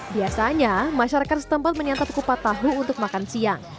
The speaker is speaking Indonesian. biasanya masyarakat setempat menyantap kupat tahu untuk makan siang